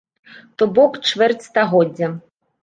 То бок, чвэрць стагоддзя.